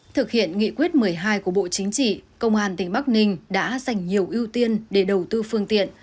thực hiện nghị quyết một mươi hai của bộ chính trị công an tỉnh bắc ninh đã dành nhiều ưu tiên để đầu tư phương tiện